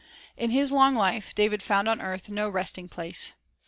2 In his long life, David found on earth no resting place.